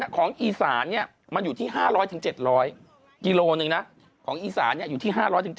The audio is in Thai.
๒๐๐๐บาทของอีสานเนี่ยมันอยู่ที่๕๐๐๗๐๐กิโลหนึ่งนะของอีสานเนี่ยอยู่ที่๕๐๐๗๐๐